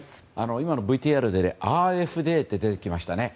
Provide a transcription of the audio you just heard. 今のＶＴＲでＡｆＤと出てきましたね。